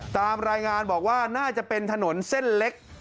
ตามรายงานบอกว่าน่าจะเป็นถนนเส้นเล็ก